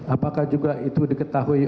apakah itu juga diketahui